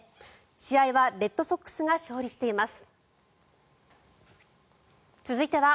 試合はレッドソックスが勝利しています。